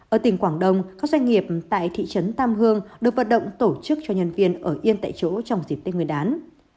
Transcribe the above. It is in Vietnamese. ở tỉnh quảng đông các doanh nghiệp tại thị trấn tam hương được vận động tổ chức cho nhân viên ở yên tại chỗ trong dịp tết nguyên đán